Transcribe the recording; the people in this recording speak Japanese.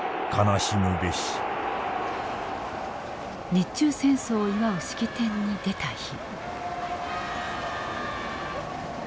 日中戦争を祝う式典に出た日。